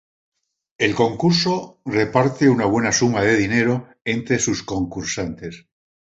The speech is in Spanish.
El concurso reparte una buena suma de dinero entre sus concursantes.